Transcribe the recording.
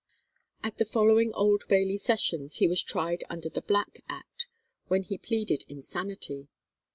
At the following Old Bailey Sessions, he was tried under the Black Act, when he pleaded insanity.